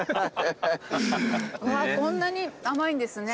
こんなに甘いんですね。